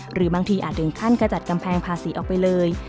หรือบางทีอาจถึงขั้นกระจัดกำแพงภาษีออกไปเลย